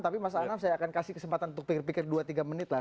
tapi mas anam saya akan kasih kesempatan untuk pikir pikir dua tiga menit lah